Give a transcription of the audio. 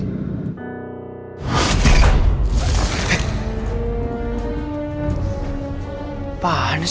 toh kita teringat ya danser